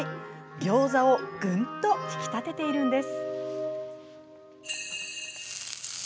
ギョーザをぐんと引き立てているんです。